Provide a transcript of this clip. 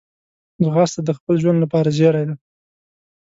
ځغاسته د خپل ژوند لپاره زېری ده